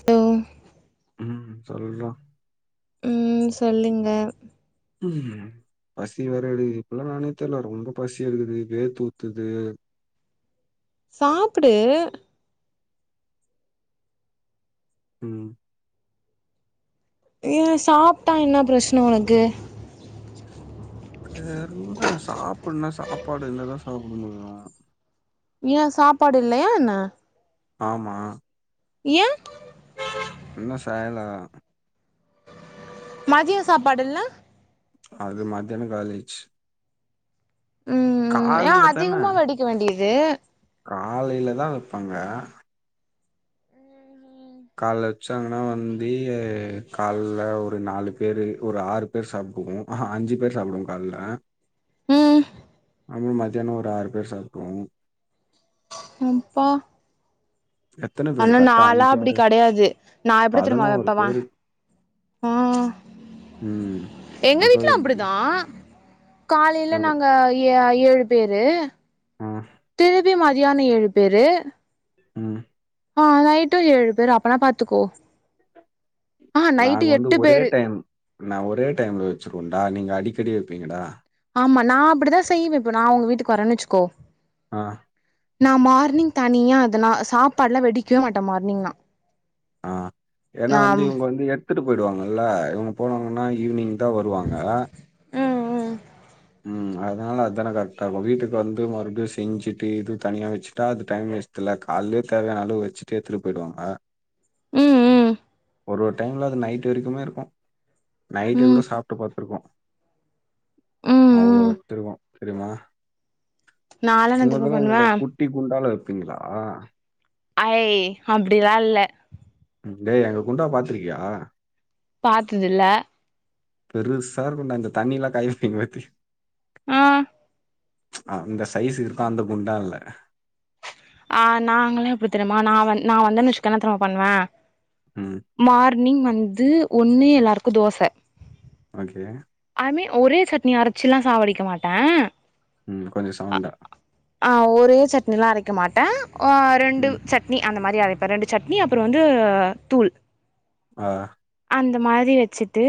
So ம் சொல்றா ம் சொல்லுங்க ம் பசி வேற எடுக்குது இப்பல்லா என்னான்னே தெர்ல ரொம்ப பசி எடுக்குது வேர்த்து ஊத்துது சாப்புடு ம் ஏ சாப்ட்டா என்ன பிரச்சன ஒனக்கு இது வேற ஒன்னுல்ல சாப்புட்னா சாப்பாடு இருந்தா தா சாப்ட முடியு ஏ சாப்பாடு இல்லயா என்ன ஆமா ஏ இன்னு செய்லா மதிய சாப்பாடுல்ல அது மத்தியான காலி ஆயிடிச்சி ம் ம் ஏ கால்ல தான அதிகமா வெடிக்க வேண்டியது காலையில தா வெப்பாங்க கால்ல வச்சாங்கன்னா வந்து கால்ல ஒரு நாலு பேரு ஒரு ஆறு பேர் சாப்டுவோ ஆஹா அஞ்சு பேர் சாப்டுவோ கால்ல ம் அன்னைக்கு மத்தியான ஒரு ஆறு பேர் சாப்ட்ருவோ ம் ப்பா எத்தன பேரு ஆனா கரெக்டா நால்லா அப்டி அஞ்சாறு கடையாது நா எப்டி தெரியுமா பதினோரு வப்ப வா பேரு ஆ ம் எங்க அப்ப வீட்டு்ல எப்டி அப்டிதா காலையில ம் நாங்க ஏ ஏழு பேரு ம் திருப்பி மதியான ஏழு பேரு ம் அ நைட்டு ஏழு பேரு அப்பன்னா பாத்துக்கோ ஆ நைட்டு நாங்க வந்து எட்டு ஒரே பேரு டைம் நா ஒரே டைம்ல வச்சிக்குவோம்டா நீங்க அடிக்கடி வப்பீங்கடா ஆமா நா அப்படிதா செய்வே இப்ப நா உங்க வீட்டுக்கு வரன்னு வச்சுக்கோ அ நா மார்னிங் தனியா அதனா சாப்பாட்லா வெடிக்கவே மாட்டே மார்னிங் நா அ ஏதுனா வந்து இவங்க வந்து எ விட்டுட்டு போயிடுவாங்கல்ல இவங்க போனாங்கன்னா ஈவினிங் தா வருவாங்க ம் ம் ம் அதனால அதான கரெக்டா இருக்கு வீட்டுக்கு வந்து மறுபடியு செஞ்சுட்டு இது தனியா வச்சுட்டா அது டைம் வேஸ்ட் இத்துல காலயே தேவையானா அளவு வச்சுட்டு எத்துட்டு போயிடுவாங்க ம் ம் ஒரு ஒரு டைம்ல அது நைட்டு வரைக்குமே இருக்கு நைட் ம் கூட சாப்ட்டு படுத்துருக்கோ ம் அவ்வளோ ம் எடுத்துருக்கோ தெரியுமா நாலா என்ன தெரியுமா உங்கதுல பண்ணுவே என்னோட கூ குட்டி குண்டான்ல வப்பீங்களா ஐ அப்டில்லா இல்ல ஏ எங்க குண்டா பாத்திருக்கியா பாத்ததுல்ல பெருசா இருக்கும்டா இந்த தண்ணி எல்லா [unintelligible] பத்தி அ அ அந்த சைஸ் இருக்க அந்த குண்டால்ல ஆ நாங்கல்லாம் எப்டி தெரியுமா நா வ நா வச்சுக்க என்னா தெர்மா பண்ணுவே ம் மார்னிங் வந்து ஒன்னு எல்லாருக்கு தோச ஓகே அதுமே ஒரே சட்னி அரைச்சுல்லா சாவடிக்க மாட்டே ம் கொஞ்ச சவுண்டா ஆ ஒரே சட்னில்லா அரைக்க மாட்டே ரெண்டு ம் சட் சட்னி அந்த மாரி அரைப்பே ரெண்டு சட்னி அப்றம் வந்து தூள் ஆ அந்த மாரி வச்சுட்டு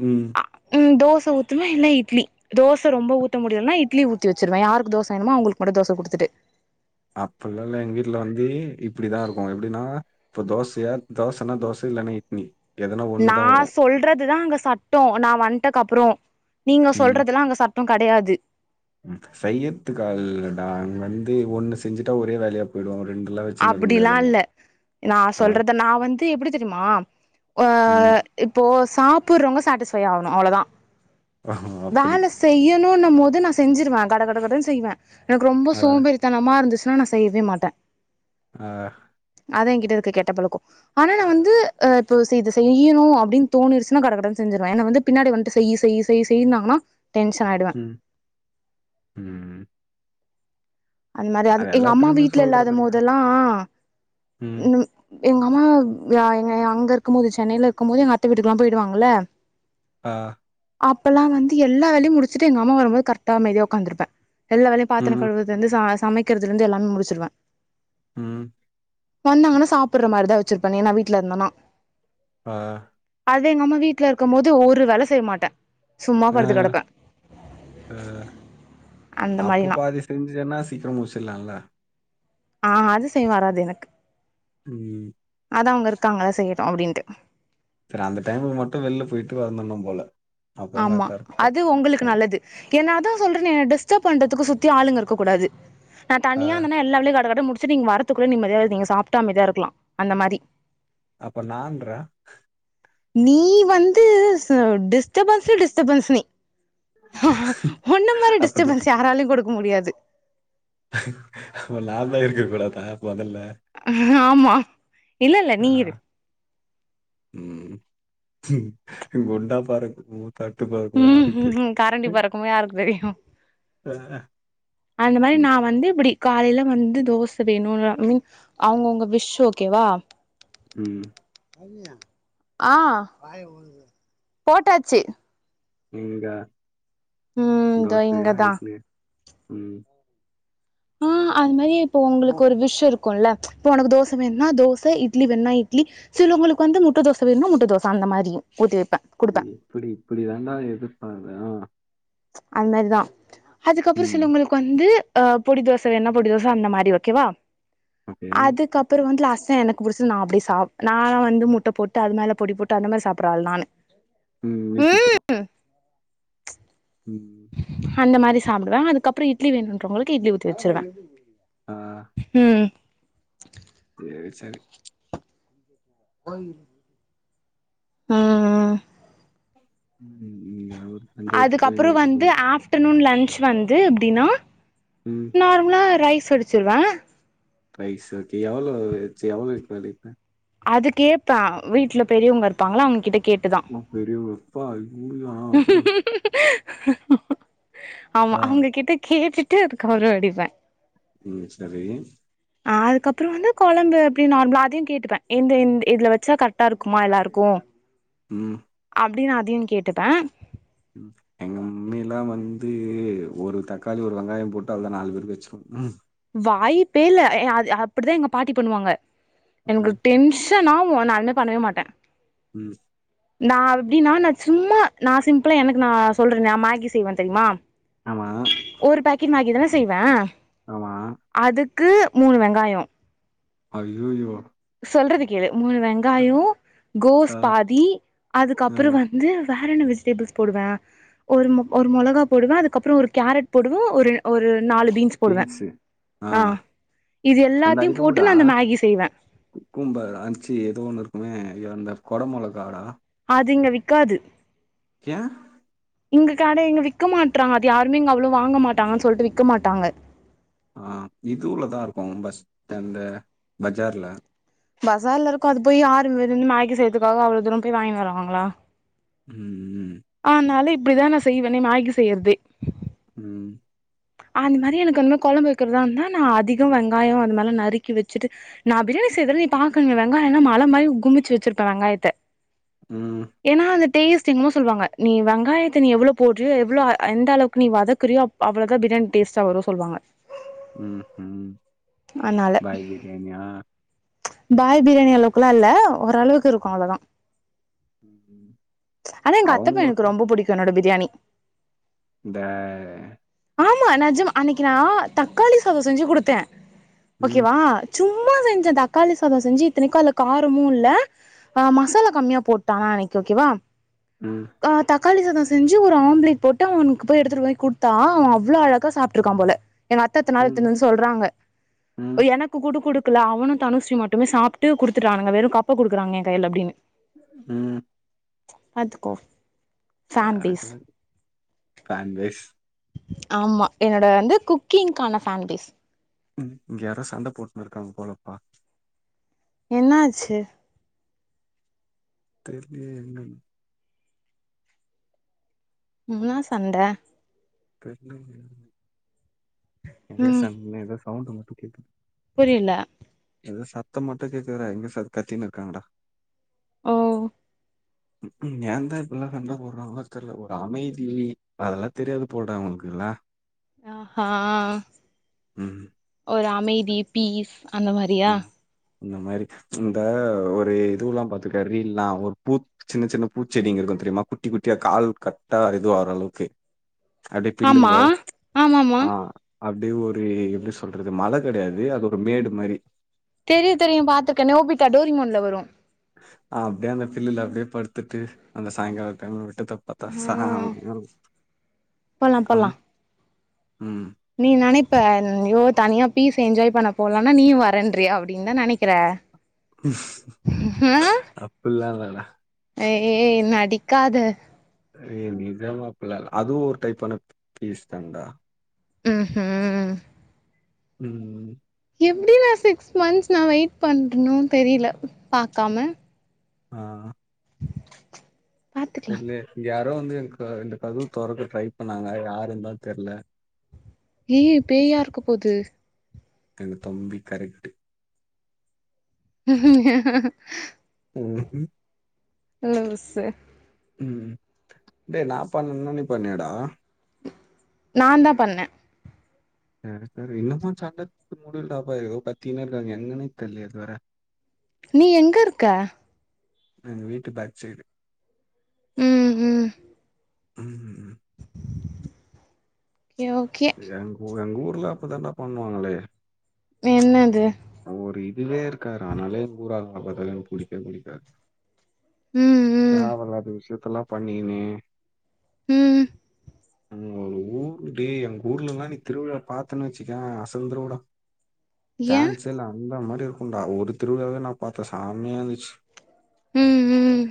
ம் அ ம் தோச ஊத்துவே இல்ல இட்லி தோச ரொம்ப ஊத்த முடியாதுன்னா இட்லிஊத்தி வச்சுடுவேன் யாருக்கு தோச வேணுமோ அவங்களுக்கு மட்டும் தோச கொடுத்துட்டு அப்பல்லாம்ல்ல எங்க வீட்ல வந்து இப்டிதான் இருக்கும் எப்டின்னா இப்போ தோசயா தோசனா தோசை இல்லனா இட்லி எதனா ஒண்ணுதா நான் வரும் சொல்றது தான் அங்க சட்டம் நான் வன்ட்டக்கு அப்றம் நீங்க சொல்றதுல்லாம் அங்க சட் ம் கெடையாது சையரத்துக்காக இல்லடா வந்து ஒண்ணு செஞ்சுட்டா ஒரே வேலையா போயிடுவாங்க ரெண்டுலா வச்சுன்னு இருக்க அப்டிலாம் இல்ல முடியாதுன்னுவான் நான் ஆ சொல்றதலா நான் வந்து எப்டி தெரியுமா ஆ ம் இப்போ சாப்ற்வங்க சாட்டிஸ்ஃபை ஆகணும் அவ்வளோதான் ஓ அப்டி வேல செய்யணும்ன்னும் போது நான் செஞ்சிருவேன் கடகட கடன்னு செய்வேன் எனக்கு ரொம்ப ஆ சோம்பேறி தனமா இருந்துச்சுன்னா நான் செய்யவே மாட்டேன் ஆ அதான் என்கிட்டருக்க கெட்ட பழக்கம் ஆனா நான் வந்து இப்போ இத செய்யணும் அப்டின்னு தோணிச்சுன்னா கட கடன்னு செஞ்சிருவேன் ஏன்னா வந்து பின்னாடி வந்துட்டு செய் செய் செய் செய்ன்னாங்கன்னா டென்ஷனாயிடும் ம் ம்ம் அந்த மாதிரி ஆகும் எங்க அம்மா எல்லாத்துலயுமே வீட்டுல இல்லாத சொல்றதுண்டா போதெல்லாம் ம் எங்க அம்மா எங்க அங்க இருக்கும் போது சென்னையில இருக்கும் போது எங்க அத்தை வீட்டுக்கு எல்லாம் போயிடுவாங்கல்ல ஆ அப்பெல்லாம் வந்து எல்லா வேலையும் முடிச்சிட்டு எங்க அம்மா வரும்போது கரெக்டா அமைதியா உக்காந்துருப்பேன் எல்லா வேலையும் பாத்திரம் ம் கழுவுறதுலருந்து சமைக்கிறதுல இருந்து எல்லாமே முடிச்சிருவேன் ம் வந்தங்கன்னா சாப்ட்ற மாதிரிதான் வச்சிருப்பேன் நா வீட்ல இருந்தேனா ஆ அது எங்கம்மா வீட்ல இருக்கும் போது ஒரு வேலை செய்ய மாட்டேன் ஆ ஆ அந்த மாரி அப்போ நா பாதி செ செஞ்ஞேனா சீக்கிரம் முடிச்சிடலாம்ல ஆ அது செய்ய வராது எனக்கு ம் அதா அவுங்க இருக்காங்கல்ல செய்யட்டும் அப்டின்ட்டு சர் அந்த டைம்ல மட்டு வெளில போயிட்டு வந்துன்னும் போல அப்பதான் ஆமா கரெக்டா இருக்கும். அது உங்ளுக்கு நல்லது ஏன்ன அதான் சொல்றேனே டிஸ்டர்ப் பண்றதுக்கு சுத்தி ஆளுங்க இருக்க கூடாது நான் தனியாருந்தேனா எல்லா வேளையும் கட கடன்னு முடிச்சுட்டு நீங்க வரத்துக்குள்ள நிம்மதியா நீங்க சாப்பிட்டு அமைதியா இருக்கலாம் அந்த மாதிரி அப்ப நான்ற நீ வந்து டிஸ்ட்பன்ஸ்ஸு டிஸ்டர்பன்ஸ்ஸு ஒன்ன மாதிரி அப்ப நா- டிஸ்டர்பன்ஸ் யாராலயும் கொடுக்க முடியாது அப்ப நா தான் இருக்க கூடாதா முதல்ல ம் ஆமா இல்லல்ல ஆ. நீ இரு ம் குண்டா பறக்கும் தட்டுப்பா ம் ம் கரண்டி பறக்குமா யாருக்கு தெரியு ஆ. அந்த மாரி ம். நா வந்து இப்டி காலைல வந்து தோச வேணு ம் அவுங்கவுங்க விஷ் ஓகேவா ம் ஆ போட்டாச்சி இ்ங்க ம் இதோ தோசையா இங்கதா இட்லி ம் ஆ அது மாரி இப்போ உங்ளுக்கு ஒரு விஸ் இருக்குல்ல இப்ப உனக்கு தோச ஆமா. வேண்ணா தோசை இட்லி வேண்ணா இட்லி சிலவங்களுக்கு வந்து முட்ட தோச வேண்ணா முட்ட தோச அந்த மாரி ஊத்தி வப்ப இ இப்டி இப்டி தாண்டா எதிர்பாகறோ அது மேரிதா அதுக்கப்புற ம். சிலவுங்ளுக் கு வந்து அ பொடி தோச வேண்ணா பொடி தோச அந்த மாரி ஓகேவா ஓகே. அதுக்கப் பற வந்து லாஸ்டா எனக்கு புடிச்சது நா அப்டியே சாப் நா வந்து முட்ட போட்டு அது மேல பொடி போட்டு அந்த மேரி சாப்பர்ற ஆள் நானு ம்மே குத்துர்றோ ம் அந்த மாரி சாப்டுவ அதுக்கப்ற இட்லி வேணுன்றவங்களுக்கு இட்லி ஊத்தி வச்சிருவ ஆ ம் சேர் செரி ஓய் ஆ ம் ம் அது அதுக்கப்ற வந்து ஆஃப்டனுன் லன்ச் வந்து எப்டினா ம் நார்மலா ரைஸ் வடிச்சிருவ ரைஸ் ஓகே யவளோ வச்சு யவளோக் வடிப்ப அது கேப்ப அ வீட்ல பெரியோங்க இருப்பாங்ள அவுங் கிட்ட கேட்டுதா உ பெரிவ அப்பா அய் ஊ யா ஆமா ஆ அவுங்க கிட்ட கேட்டுட் டு அதுக்கபற வடிப்ப ம் சரி அ அதுக்கபற வந்து கொழம்பு அப்டி நார்மலா அதையு கேட்டுப்ப எந்த இந்த இதுல வச்சா கர்ட்டா இருக்குமா எல்லாருக்கு ம் அப்டினு அதையு கேட்டுப்ப ம் எங்க மம்மிலா வந்து ஒரு தக்காளி ஒரு வெங்காயோ போட்டு அதா நாலு பேரு வச்ரு வாய்ப்பே இல்ல எ அ அப்டிதா எங்க பாட்டி பண்ணுவாங்க ம் எங்ளுக் டென்ஸ் சன் ஆவு நா அதுமே பண்ணவே மாட்ட ம் நா எப்டினா நா சும்மா நா சிம்ப்பிளா எனக்கு நா சொல்ற நா மேகி செய்வ தெரிமா ஆமா ஒரு பாக்கெட் மேகி தான செய்வ ஆமா அதுக்கு மூனு வெங்காயோ ஐய்யயோ சொல்றது கேளு மூணு வெங்காயோ கோஸ் பாதி ஆ அதுக்கப்றோ வ ந்து வேறென்ன வெஜிடெபிள்ஸ் போடுவ ஒரு மொ ஒரு மொளகாப் போடுவ அதுக்கப்றோ ஒரு கேரட் போடுவ ஒரு ஒரு நாலு பீன்ஸ் போடுவ பீன்ஸு ஆ இது அந்த எல்லாத்தியு இதுவுடா போட்டு நானு மேகி செய்வ குக்கும்பர் அ ச்சீ ஏதோ ஒன்னு இருக்குமே அய்யோ அந்த கொட மொளகாடா அது இங்க வி்க்காது ஏ இங்க கட இங்க விக்க மாட்ராங்க அது யாருமே இங்க அவ்ளோ வாங்க மாட்டாங்கன்னு சொல்ட்டு விக்க மாட்டாங்க ஆ இதுவுல தா இருக்கு பஸ்த் அந்த பஜார்ல பஸார்ல இருக்கு அதுக்கு போய் யாரு வெறு மேகி செய்றதுக்காக அவ்வளோ தூர போய் வாங்கினு வருவாங்ளா ம் ம் ஆனாலே இப்டிதா நா செய்வெனே மேகி செய்றதே ம் அந்த மாரி எனக்கு வந்த கொழம்பு வைக்றதா இருந்தா நா அதிகோ வெங்காயோ அந்த மாற்லா நறுக்கி வச்சிட்டு நா பிரியாணி செய்ரதலா நீ பாக்கணுமே வெங்காயல்லா மல மாரி குமிச்சி வச்ருப்பே வெங்காயத்த ம் ஏனா அந்த டேஸ்ட்டு இன்னு சொல்வாங்க நீ வெங்காயத்த நீ எவ்ளோ போட்றியோ எவ்ளோ அ எந்த அளவுக்கு நீ வதக்குறியோ அப் அவ்ளோ தா பிரியாணி டேஸ்டா வரு சொல்வாங்க ம் ம் அதனால பாய் பிரியாணியா பாய் பிரியாணி அளவுக்குல்லா இல்ல ஓரளவுக்கு இருக்கு அவ்ளோதா ம். ஆனா எங்க அத்த அவங்க பையனுக்கு சொல்- ரொம்ப புடிக்கு என்னோட பிரியாணி இந்த ஆமா நெஜம அன்னைக்கு நா தக்காளி சாதோ செஞ்சு குடுத்தே ம் ஓகேவா சும்மா செஞ்ச தக்காளி சாதோ செஞ்சு இத்தனைக்கு அதுல காரமு இல்ல அ மசாலா கம்மியா போட் ட அனைக் ஓகேவா ம் அ தாக்காளி சாதோ செஞ்சு ஒரு ஆம்லேட் போட்டு அவனுக்கு போய் எடுத்துட்டு போய் குடுத் தா அவ அவ்ளோ அழகா சாப்ட்ருக்கா போல எங்க அத்த இத்தன் நாள் ம் எத்துனுவந் சொல்றாங்க ம் ஒய் எனக் கு கூடு குடுக்ல அவனு தனுஸ்ரீ மட்டுமே சாப்ட்டு குடுத்துட்றானுங்க வெரு கப்ப குடுக்குறாங்க எ கைல அப்டின்னு ம் பாத்துக்கோ ஃபேன் சேரி பேஸ் சேரி ஃபேன் பேஸ் ஆமா என்னோட வந்து குக்கிங்கான ஃபேன் பேஸ் ம் இங்க யாரோ சண்ட போட்ன்னு இருக்காங்க போலப்பா என்னாச்சு தெர்லியே என்னன் என்னா சண்ட தெர்ல யானு எங்கயோ சன்னு ஏதோ சவுண்ட் மட்டு கேக்குது புரியலா ஏதோ சத்தம் மட்டும் கேக்குதுடா எங்க ச கத்தின்னு இருக்காங்கடா ஓ ஏந்தா இப்பெல்லா சண்ட போடுறாங்களோ தெர்ல ஒரு அமைதி அதெல்லா தெரியாது போலடா அவங்களுக்கு இல்ல ஆ ஹா ம். ஒரு அமைதி பீஸ் அந்த மாரி ம் இந்த மாரி இந்த ஒரு இதுவுல்லா பாத்துரிக்கியா ரீல்ல்லா ஒரு பூத் சின்ன சின்ன பூச்செடிங்க இருக்கு தெரியுமா குட்டி குட்டியா கால் கட்டா இதுவாகுர அளவுக்கு அப்டியே ஆமா பில்லுங்கோ ஆமாமா ஆ அப்டியே ஒரு எப்டி சொல்றது மல கெடையாது அது ஒரு மேடு மாரி தெரியு தெரியு பாத்ருக்கே நோபிட்டா டோரிமான்ல வரு ஆ அப்டியே அந்த பில்லுல அப்டியே படுத்துட்டு அந்த சாய்ங்கால டைம்ல விட்டத்தா பாத்தா செம்யா ம் இருக்கு போலா போலா ம் நீ நெனைப்ப அய்யோ தனியா பீஸ் என்ஜாய் பண்ண போலான்னா நீயு வரேன்றியா அப்டின்னு தா நெனைக்கிற ம்ஹும் அப்டில்லா இல்ல ல ஏய் நடிக்காத ஏய் நிஜமாப்ல அதுவு ஒரு டைப்பான பீஸ் தானடா ம் ஹூ ம் ம் எப்டி நா சிக்ஸ் மந்த்ஸ் நா வெயிட் பண்ணறணுன்னு தெரியல பாக்காம ஆ பாத்துக்கலா தெர்லயே இங்க யாரோ வந்து ஏ க இந்த கதவு தொறக்க ட்ரை பண்ணாங்க யாருன்னுதா தெர்ல ஏய் பேயா இருக்க போது எங்க தம்பி கரெக்ட் [inaudible] ம் ம் லூசு ம் டேய் நா பண்ணனுன்னு நீ பண்ணயாடா நாந்தா பண்ணே சரி சரி என்னமோ சண்ட [inaudible] முடியலடாப்பா ஏதோ கத்தீன்னே இருக்காங்க என்னன்னே தெரிலயே இதுவர நீ எங்க இருக்க எங்க வீட்டு பேக் சைடு ம் ம் ம் ம் ம் கியோ எங்க ஊ எங்க ஊர்ல அப்டிதாண்டா பண்ணுவாங்களே என்னது ஒரு இதுவே இருக்காதுரா அதனால எங்க ஊரு ஆளுங்கள பாரத்தாலே எனக்கு பிடிக்கவே பிடிக்காது ம் ம் தேவ இல்லாத விஷயத்தலா பண்ணிகின்னு ம் ஊ ஊரு டேய் எங்க ஊர்லல்லா நீ திருவிழா பாத்தன்னு வச்சுக்கோயே அசந்துருவடா ஏன் சான்சே இல்ல அந்த மாரி இருக்குன்டா ஒரு திருவிழாவே நா பாத்தே செமயா இருந்துச்சு ம் ம்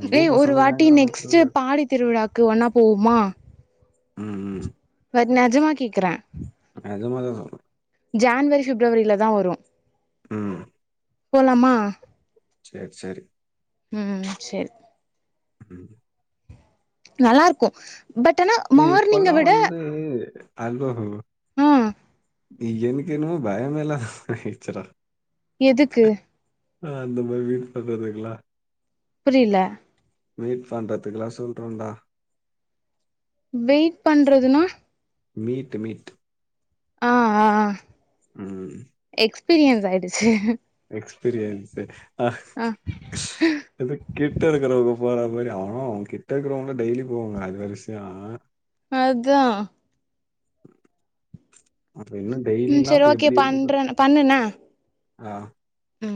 எங்க ஏய் ஊர் ஒரு பசங்கள வாட்டி ஏங்குறானுங்க நெக்ஸ்ட் திருவிழா பாடி திருவிழாக்கு ஒன்னா போவமா ம் ம் நெஜமா கேக்குறே நெஜமாதா சொல்றே ஜன்வரி பிப்ரவரியில தா வரோ ம் போலாமா சேர் சேரி ம் சேரி ம் நல்லாருக்கு பட் ஆனா மார்னிங்க விட உம் அனுபவமா அ எனக்கென்னமோ பயமே இல்லாத மாரி ஆயிச்சிடா எதுக்கு ஆ அந்த மாரி வீக்னஸ் இருக்குல்ல புரில மீட் பண்ணுறதுக்குல்லா சொல்றேன்டா வெயிட் பண்றதுன்னா மீட்டு மீட்டு அ ஆ ஆ ம் எக்ஸ்பீரியன்ஸ் ஆயிடுச்சு எக்ஸ்பீரியன்ஸு ஆ எதோ கிட்ட இருக்கறவங்க போற மாரி ஆ கிட்ட இருக்கறவங்க டெய்லி போவாங்க அது விஷியோ அதா அப்ப இன்னு ம் டெய்லில்லா சரி அப்ப ஓகே எப்டி இருக்கு பண்றே பாத் பண்ணு என்ன ஆ ம்